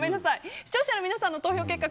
視聴者の皆さんの投票結果